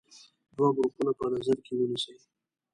دوه ګروپونه په نظر کې ونیسئ.